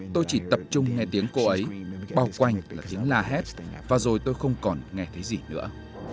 tôi chỉ tập trung nghe tiếng cô ấy bao quanh là tiếng la hét và rồi tôi không còn nghe thấy gì nữa